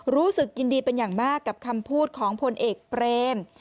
รู้สึกยินดีเป็นอย่างมากกับคำพูดของพลเอกเปรม